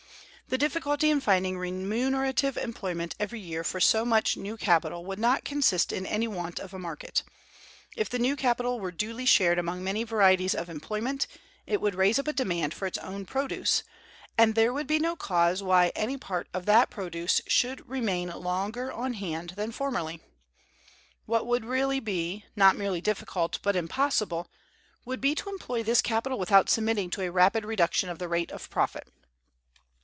The difficulty in finding remunerative employment every year for so much new capital would not consist in any want of a market. If the new capital were duly shared among many varieties of employment, it would raise up a demand for its own produce, and there would be no cause why any part of that produce should remain longer on hand than formerly. What would really be, not merely difficult, but impossible, would be to employ this capital without submitting to a rapid reduction of the rate of profit.